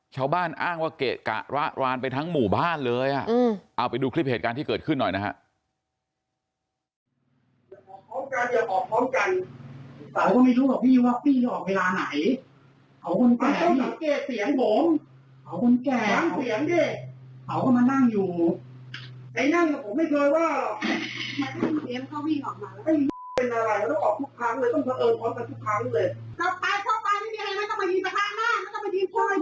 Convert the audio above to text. ชาวบ้านอ้างว่าเกะกะระรานไปทั้งหมู่บ้านเลยเอาไปดูคลิปเหตุการณ์ที่เกิดขึ้นหน่อยนะฮะ